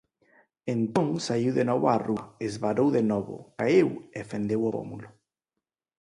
Entón saíu de novo á rúa, esvarou de novo, caeu e fendeu o pómulo.